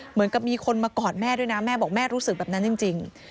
เหมือนกับมีคนมากอดแม่ด้วยนะแม่บอกแม่รู้สึกแบบนั้นจริง